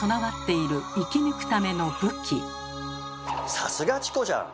さすがチコちゃん！